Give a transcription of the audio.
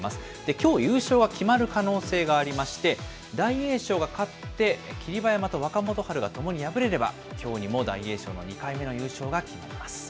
きょう優勝が決まる可能性がありまして、大栄翔が勝って、霧馬山と若元春がともに敗れれば、きょうにも大栄翔の２回目の優勝が決まります。